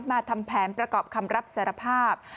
ทำแผนประกอบคำรับสารภาพ